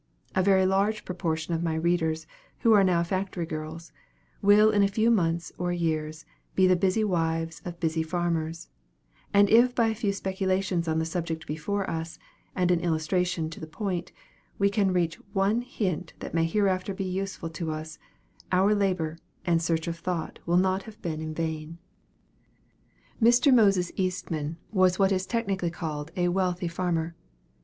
A very large proportion of my readers, who are now factory girls, will in a few months or years be the busy wives of busy farmers; and if by a few speculations on the subject before us, and an illustration to the point, we can reach one hint that may hereafter be useful to us, our labor and "search of thought" will not have been in vain. Mr. Moses Eastman was what is technically called a wealthy farmer.